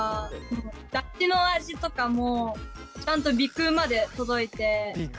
だしの味とかもちゃんと鼻くうまで届いて。